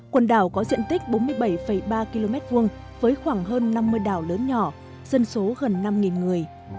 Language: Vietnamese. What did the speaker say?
quần đảo có diện tích bốn mươi bảy ba km hai với khoảng hơn năm mươi đảo lớn nhỏ dân số gần năm người